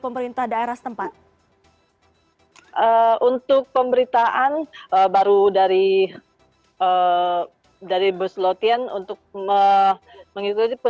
pemerintah daerah setempat untuk pemberitaan baru dari dari bus lotien untuk mengikuti